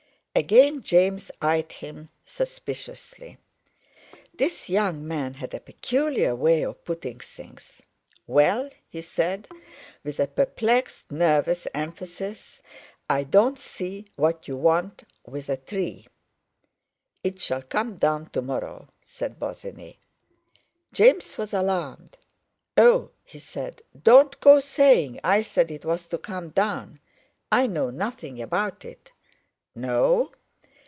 Again James eyed him suspiciously—this young man had a peculiar way of putting things: "Well!" he said, with a perplexed, nervous, emphasis, "I don't see what you want with a tree." "It shall come down to morrow," said Bosinney. James was alarmed. "Oh," he said, "don't go saying I said it was to come down! I know nothing about it!" "No?"